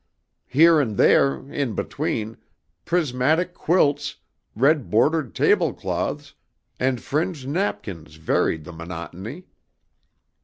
Here and there, in between, prismatic quilts, red bordered tablecloths and fringed napkins varied the monotony.